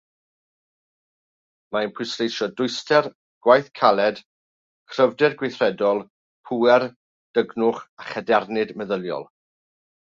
Mae'n pwysleisio dwyster, gwaith caled, cryfder gweithredol, pŵer, dygnwch a chadernid meddyliol.